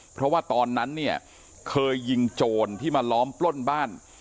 เพราะว่าตอนนั้นเนี่ยเคยยิงโจรที่มาล้อมปล้นบ้าน